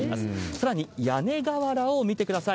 さらに、屋根瓦を見てください。